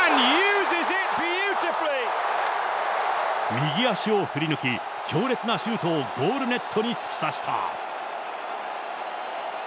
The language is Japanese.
右足を振り抜き、強烈なシュートをゴールネットに突き刺した。